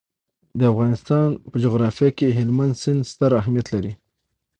د افغانستان جغرافیه کې هلمند سیند ستر اهمیت لري.